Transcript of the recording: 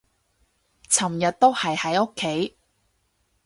尋日都係喺屋企